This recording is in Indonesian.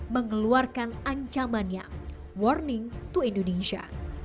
mengeluarkan ancamannya warning to indonesia